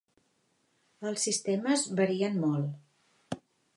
Els sistemes varien molt.